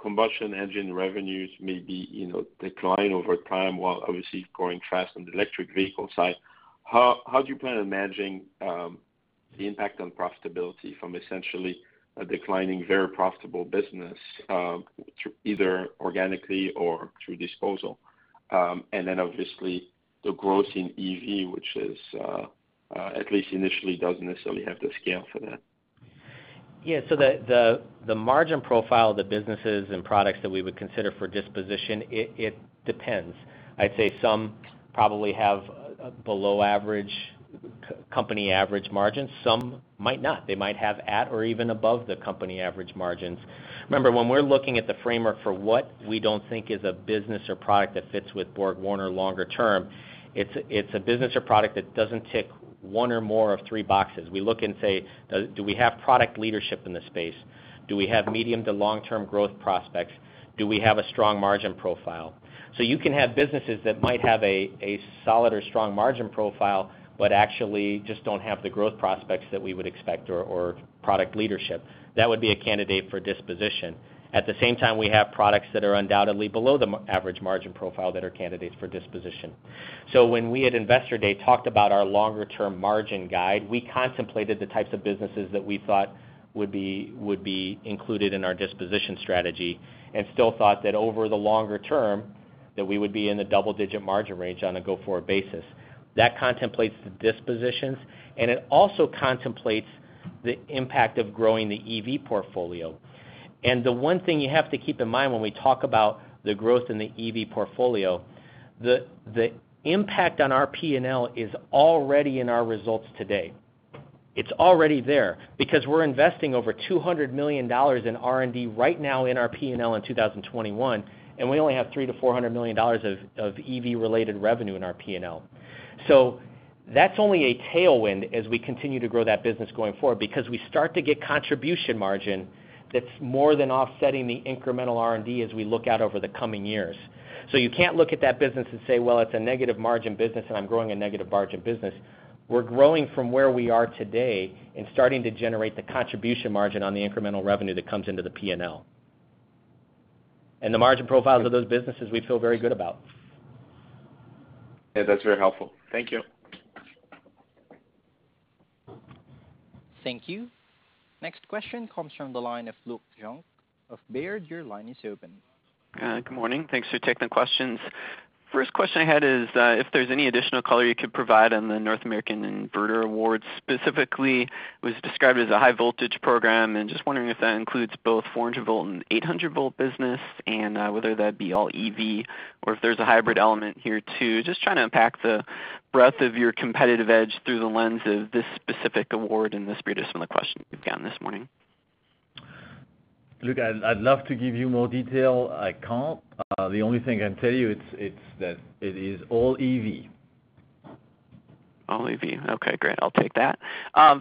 combustion engine revenues may be, you know, decline over time while obviously growing fast on the electric vehicle side, how do you plan on managing the impact on profitability from essentially a declining very profitable business through either organically or through disposal? Then obviously the growth in EV, which is at least initially doesn't necessarily have the scale for that. Yeah. The margin profile of the businesses and products that we would consider for disposition, it depends. I'd say some probably have below average company average margins. Some might not. They might have at or even above the company average margins. Remember, when we're looking at the framework for what we don't think is a business or product that fits with BorgWarner longer term, it's a business or product that doesn't tick one or more of three boxes. We look and say, do we have product leadership in this space? Do we have medium to long-term growth prospects? Do we have a strong margin profile? You can have businesses that might have a solid or strong margin profile, but actually just don't have the growth prospects that we would expect or product leadership. That would be a candidate for disposition. At the same time, we have products that are undoubtedly below the mid-average margin profile that are candidates for disposition. When we at Investor Day talked about our longer term margin guide, we contemplated the types of businesses that we thought would be included in our disposition strategy and still thought that over the longer term that we would be in the double-digit margin range on a go-forward basis. That contemplates the dispositions, and it also contemplates the impact of growing the EV portfolio. The one thing you have to keep in mind when we talk about the growth in the EV portfolio, the impact on our P&L is already in our results today. It's already there because we're investing over $200 million in R&D right now in our P&L in 2021, and we only have $300 million-$400 million of EV-related revenue in our P&L. That's only a tailwind as we continue to grow that business going forward because we start to get contribution margin that's more than offsetting the incremental R&D as we look out over the coming years. You can't look at that business and say, "Well, it's a negative margin business and I'm growing a negative margin business." We're growing from where we are today and starting to generate the contribution margin on the incremental revenue that comes into the P&L. The margin profiles of those businesses we feel very good about. Yeah, that's very helpful. Thank you. Thank you. Next question comes from the line of Luke Junk of Baird. Your line is open. Good morning. Thanks for taking the questions. First question I had is, if there's any additional color you could provide on the North American inverter award. Specifically it was described as a high voltage program, and just wondering if that includes both 400-volt and 800-volt business and, whether that'd be all EV or if there's a hybrid element here too. Just trying to unpack the breadth of your competitive edge through the lens of this specific award in the spirit of some of the questions you've gotten this morning. Luke, I'd love to give you more detail. I can't. The only thing I can tell you it's that it is all EV. All EV. Okay, great. I'll take that.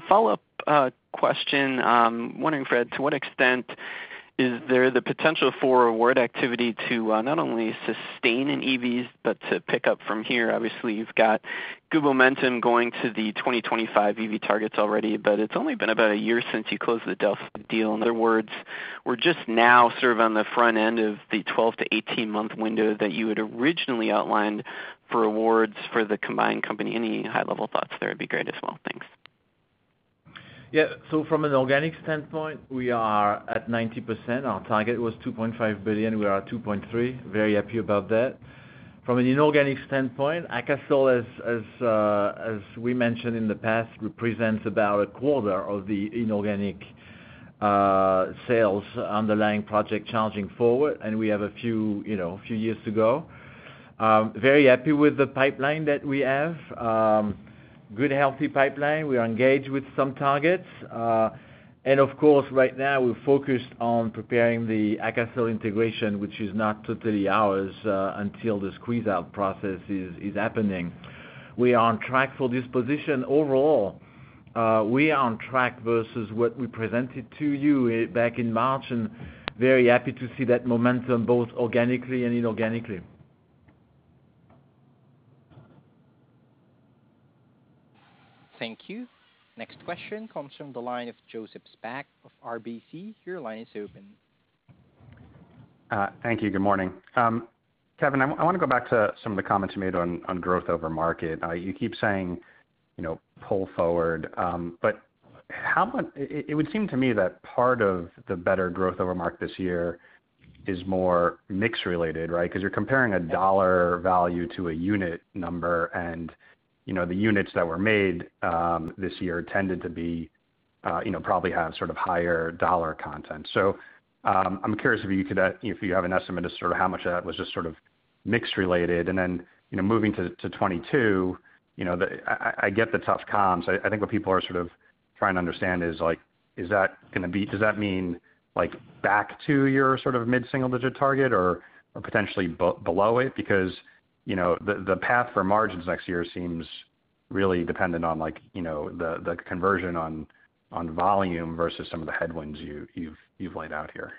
Follow-up question. I'm wondering, Fred, to what extent is there the potential for award activity to not only sustain in EVs, but to pick up from here? Obviously, you've got good momentum going to the 2025 EV targets already, but it's only been about a year since you closed the Delphi deal. In other words, we're just now sort of on the front end of the 12-18-month window that you had originally outlined for awards for the combined company. Any high-level thoughts there would be great as well. Thanks. From an organic standpoint, we are at 90%. Our target was $2.5 billion. We are at $2.3 billion. Very happy about that. From an inorganic standpoint, AKASOL, as we mentioned in the past, represents about a quarter of the inorganic sales underlying project Charging Forward, and we have a few years to go. Very happy with the pipeline that we have. Good healthy pipeline. We are engaged with some targets. And of course, right now we're focused on preparing the AKASOL integration, which is not totally ours until the squeeze-out process is happening. We are on track for this position overall. We are on track versus what we presented to you back in March, and very happy to see that momentum both organically and inorganically. Thank you. Next question comes from the line of Joseph Spak of RBC. Your line is open. Thank you. Good morning. Kevin, I wanna go back to some of the comments you made on growth over market. You keep saying, you know, pull forward. How about it would seem to me that part of the better growth over market this year is more mix related, right? 'Cause you're comparing a dollar value to a unit number and, you know, the units that were made this year tended to be, you know, probably have sort of higher dollar content. I'm curious if you have an estimate as to sort of how much of that was just sort of mix related. You know, moving to 2022, you know, I get the tough comps. I think what people are sort of trying to understand is, like, does that mean, like, back to your sort of mid-single-digit target or potentially below it? Because, you know, the path for margins next year seems really dependent on like, you know, the conversion on volume versus some of the headwinds you've laid out here.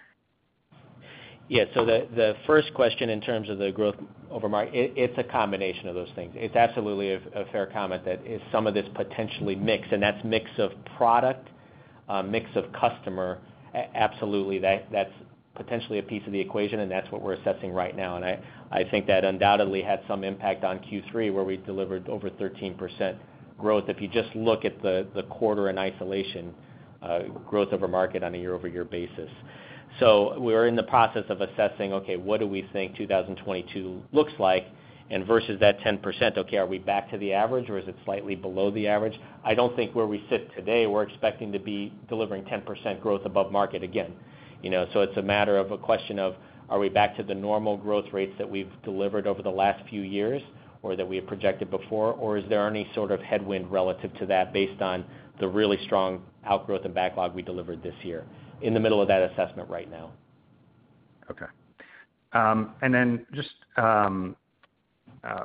Yeah. The first question in terms of the growth over market, it's a combination of those things. It's absolutely a fair comment that is some of this potentially mix, and that's mix of product, mix of customer. Absolutely, that's potentially a piece of the equation, and that's what we're assessing right now. I think that undoubtedly had some impact on Q3, where we delivered over 13% growth, if you just look at the quarter in isolation, growth over market on a year-over-year basis. We're in the process of assessing, okay, what do we think 2022 looks like? Versus that 10%, okay, are we back to the average or is it slightly below the average? I don't think where we sit today, we're expecting to be delivering 10% growth above market again. You know, it's a matter of a question of, are we back to the normal growth rates that we've delivered over the last few years or that we have projected before? Or is there any sort of headwind relative to that based on the really strong outgrowth and backlog we delivered this year? In the middle of that assessment right now. Okay. Just,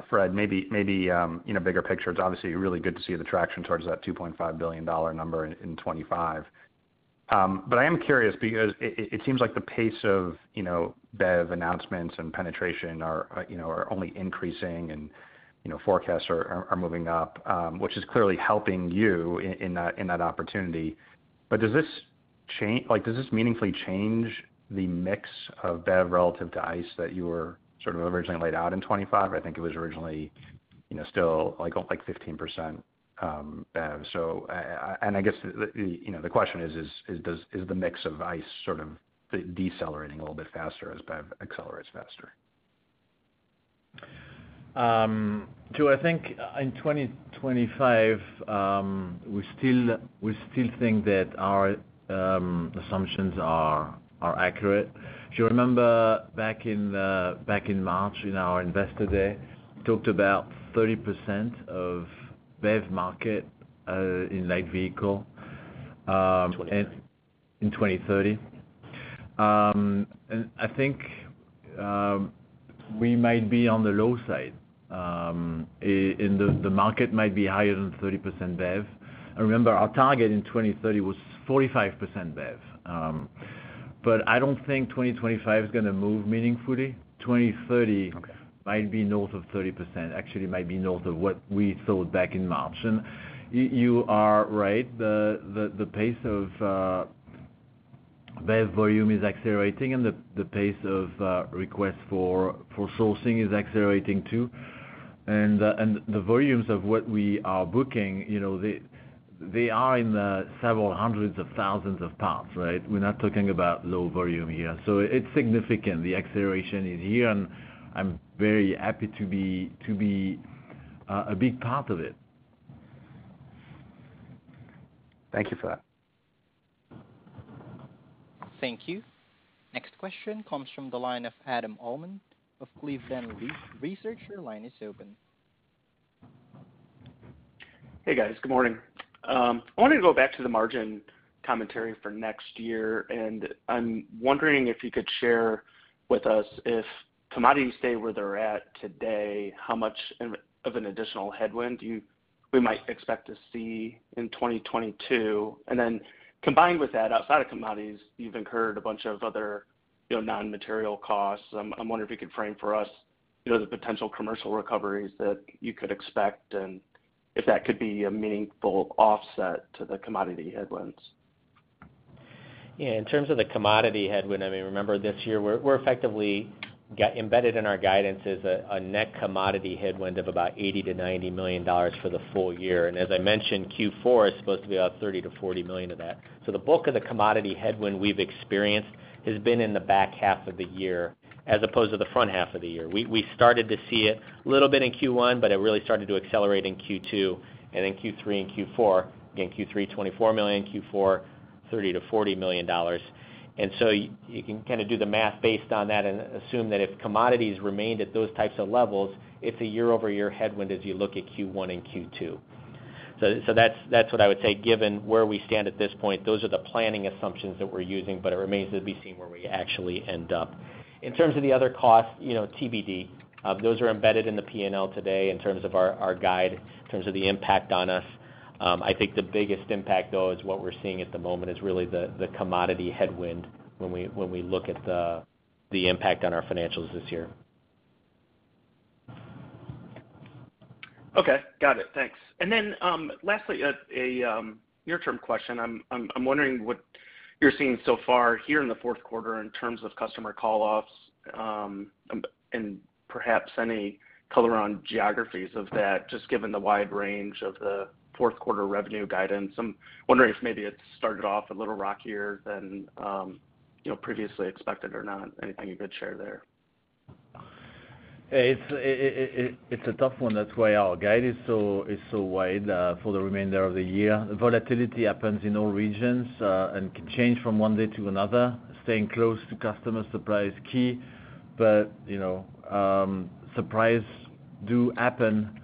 Fred, maybe you know, bigger picture. It's obviously really good to see the traction towards that $2.5 billion number in 2025. I am curious because it seems like the pace of, you know, BEV announcements and penetration are, you know, only increasing and, you know, forecasts are moving up, which is clearly helping you in that opportunity. Does this change like, does this meaningfully change the mix of BEV relative to ICE that you were sort of originally laid out in 2025? I think it was originally, you know, still like 15% BEV. I guess, you know, the question is, does the mix of ICE sort of decelerating a little bit faster as BEV accelerates faster? I think in 2025, we still think that our assumptions are accurate. If you remember back in March in our Investor Day, talked about 30% of BEV market in light vehicle 2030... in 2030. I think we might be on the low side, and the market might be higher than 30% BEV. Remember, our target in 2030 was 45% BEV. I don't think 2025 is gonna move meaningfully. 2030- Okay Might be north of 30%. Actually, might be north of what we thought back in March. You are right. The pace of BEV volume is accelerating and the pace of request for sourcing is accelerating too. The volumes of what we are booking, you know, they are in the several hundreds of thousands of parts, right? We're not talking about low volume here. It's significant. The acceleration is here, and I'm very happy to be a big part of it. Thank you for that. Thank you. Next question comes from the line of Adam Uhlman of Cleveland Research. Your line is open. Hey, guys. Good morning. I wanted to go back to the margin commentary for next year, and I'm wondering if you could share with us if commodities stay where they're at today, how much of an additional headwind we might expect to see in 2022. Then combined with that, outside of commodities, you've incurred a bunch of other, you know, non-material costs. I'm wondering if you could frame for us, you know, the potential commercial recoveries that you could expect and if that could be a meaningful offset to the commodity headwinds. Yeah. In terms of the commodity headwind, I mean, remember this year, we're effectively got embedded in our guidance is a net commodity headwind of about $80 million-$90 million for the full year. As I mentioned, Q4 is supposed to be about $30 million-$40 million of that. The bulk of the commodity headwind we've experienced has been in the back half of the year as opposed to the front half of the year. We started to see it a little bit in Q1, but it really started to accelerate in Q2 and in Q3 and Q4. Again, Q3, $24 million, Q4 $30 million-$40 million. You can kind of do the math based on that and assume that if commodities remained at those types of levels, it's a year-over-year headwind as you look at Q1 and Q2. That's what I would say given where we stand at this point, those are the planning assumptions that we're using, but it remains to be seen where we actually end up. In terms of the other costs, you know, TBD. Those are embedded in the P&L today in terms of our guide, in terms of the impact on us. I think the biggest impact, though, is what we're seeing at the moment is really the commodity headwind when we look at the impact on our financials this year. Okay. Got it. Thanks. Lastly, near-term question. I'm wondering what you're seeing so far here in the fourth quarter in terms of customer call-offs, and perhaps any color on geographies of that, just given the wide range of the fourth quarter revenue guidance. I'm wondering if maybe it started off a little rockier than you know, previously expected or not. Anything you could share there. It's a tough one. That's why our guide is so wide for the remainder of the year. Volatility happens in all regions and can change from one day to another. Staying close to customer supply is key, but you know, surprises do happen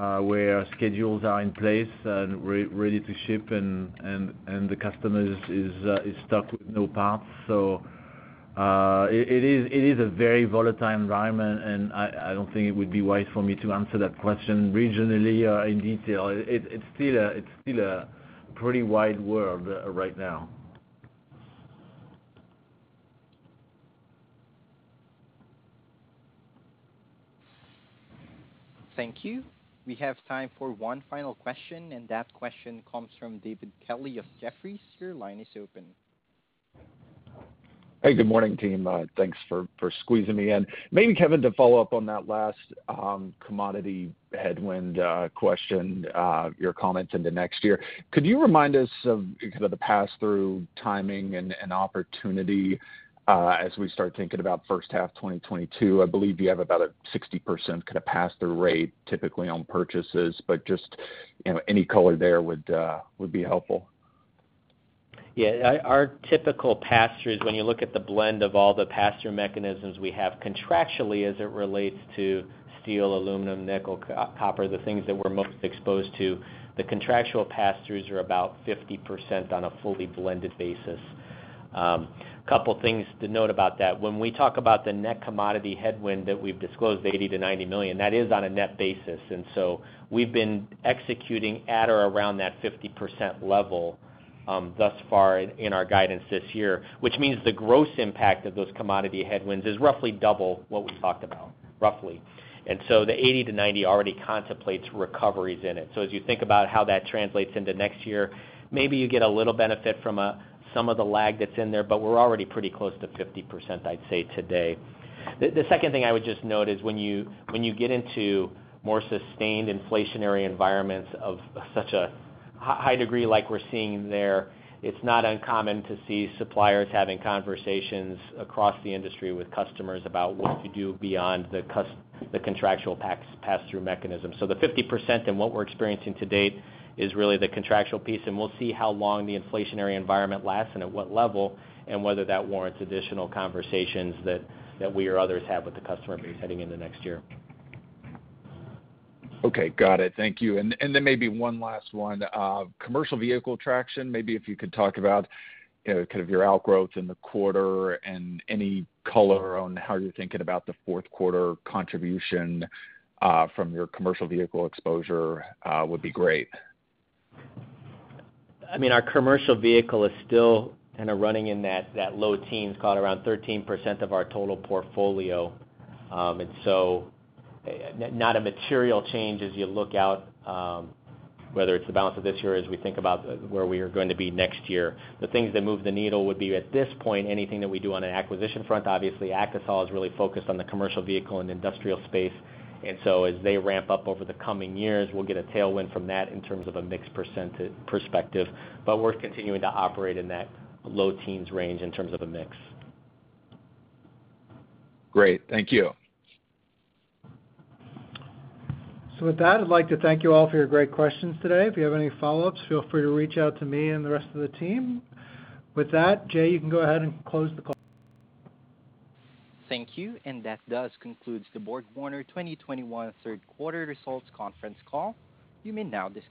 where schedules are in place and ready to ship and the customer is stuck with no parts. It is a very volatile environment, and I don't think it would be wise for me to answer that question regionally or in detail. It's still a pretty wide world right now. Thank you. We have time for one final question, and that question comes from David Kelley of Jefferies. Your line is open. Hey, good morning, team. Thanks for squeezing me in. Maybe Kevin, to follow up on that last commodity headwind question, your comments into next year. Could you remind us of kind of the pass-through timing and opportunity as we start thinking about first half 2022? I believe you have about a 60% kind of pass-through rate typically on purchases, but just, you know, any color there would be helpful. Yeah. Our typical pass-throughs, when you look at the blend of all the pass-through mechanisms we have contractually as it relates to steel, aluminum, nickel, copper, the things that we're most exposed to, the contractual pass-throughs are about 50% on a fully blended basis. Couple things to note about that. When we talk about the net commodity headwind that we've disclosed, $80 million-$90 million, that is on a net basis. We've been executing at or around that 50% level, thus far in our guidance this year, which means the gross impact of those commodity headwinds is roughly double what we talked about, roughly. The $80 million-$90 million already contemplates recoveries in it. As you think about how that translates into next year, maybe you get a little benefit from some of the lag that's in there, but we're already pretty close to 50%, I'd say, today. The second thing I would just note is when you get into more sustained inflationary environments of such a high degree like we're seeing there, it's not uncommon to see suppliers having conversations across the industry with customers about what to do beyond the contractual pass-through mechanism. The 50% and what we're experiencing to date is really the contractual piece, and we'll see how long the inflationary environment lasts and at what level and whether that warrants additional conversations that we or others have with the customer base heading into next year. Okay. Got it. Thank you. Maybe one last one. Commercial vehicle traction, maybe if you could talk about, you know, kind of your outgrowth in the quarter and any color on how you're thinking about the fourth quarter contribution from your commercial vehicle exposure would be great. I mean, our commercial vehicle is still kinda running in that low teens, call it around 13% of our total portfolio. Not a material change as you look out, whether it's the balance of this year as we think about where we are going to be next year. The things that move the needle would be, at this point, anything that we do on an acquisition front. Obviously, AKASOL is really focused on the commercial vehicle and industrial space. As they ramp up over the coming years, we'll get a tailwind from that in terms of a mix percent perspective. We're continuing to operate in that low teens range in terms of a mix. Great. Thank you. With that, I'd like to thank you all for your great questions today. If you have any follow-ups, feel free to reach out to me and the rest of the team. With that, Jay, you can go ahead and close the call. Thank you. That does conclude the BorgWarner 2021 third quarter results conference call. You may now disconnect.